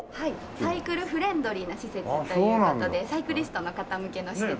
サイクルフレンドリーな施設という事でサイクリストの方向けの施設になっております。